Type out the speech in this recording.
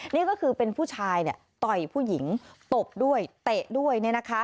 นี่ก็คือเป็นผู้ชายต่อยผู้หญิงตบด้วยเตะด้วย